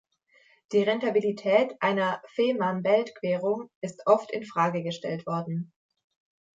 Die Rentabilität einer Fehmarnbelt-Querung ist oft in Frage gestellt worden.